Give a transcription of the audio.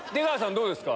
どうですか？